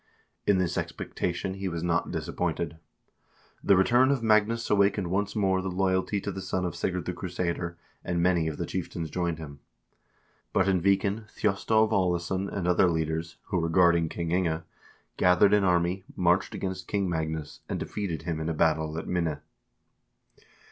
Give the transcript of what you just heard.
In this expectation he was not disappointed. The return of Magnus awakened once more the loyalty to the son of Sigurd the Crusader, and many of the chieftains joined him. But in Viken Thjostolv Aalesson and other leaders, who were guarding King Inge, gathered an army, marched against King Magnus, and defeated him in a battle at Minne.